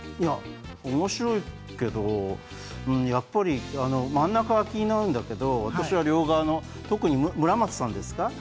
面白いけど、やっぱり真ん中が気になるんだけれども、両側の、特にむらまつさんですか？